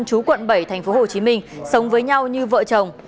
chú quận bảy thành phố hồ chí minh sống với nhau như vợ chồng